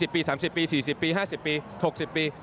ปี๓๐ปี๔๐ปี๕๐ปี๖๐ปี